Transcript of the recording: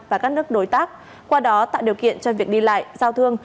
và các nước đối tác qua đó tạo điều kiện cho việc đi lại giao thương